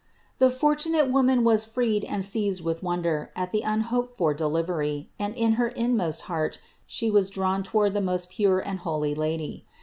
The fortunate woman was freed and seized with wonder at the unhoped for de livery; and in her inmost heart she was drawn toward the most pure and holy Lady.